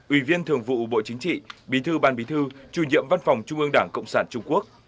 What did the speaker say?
ủy viên thường vụ bộ chính trị bí thư ban bí thư chủ nhiệm văn phòng trung ương đảng cộng sản trung quốc